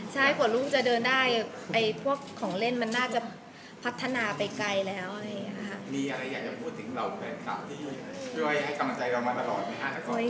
ช่วยให้กำจัยเรามาตลอด